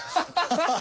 ハハハハ！